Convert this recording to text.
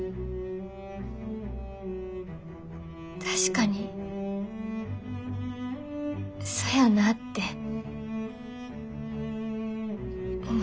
確かにそやなって思いました。